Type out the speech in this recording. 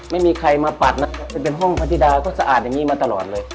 ไม่มีใครมาปัดนะครับจะเป็นห้องพระธิดาก็สะอาดอย่างนี้มาตลอดเลย